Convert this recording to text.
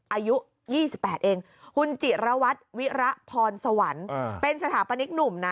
อายุยี่สิบแปดเองหุ้นจิระวัดวิระพรสวรรค์เป็นสถาปนิกหนุ่มนะ